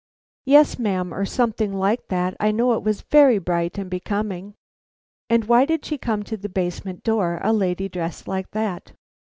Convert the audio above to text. "Yes, ma'am, or something like that. I know it was very bright and becoming." "And why did she come to the basement door a lady dressed like that?"